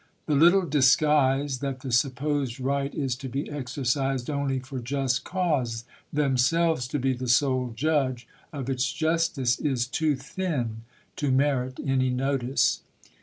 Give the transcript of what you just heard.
The little disguise, that the supposed right is to be exercised only for just cause, themselves to be the sole judge of its justice, is too thin to merit any notice.